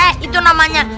eh itu namanya